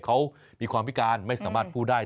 เขามีความพิการไม่สามารถพูดได้